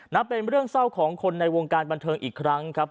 นับเป็นเรื่องเศร้าของคนในวงการบันเทิงอีกครั้งครับ